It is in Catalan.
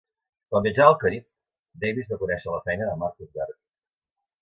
Quan viatjava al Carib, Davis va conèixer la feina de Marcus Garvey.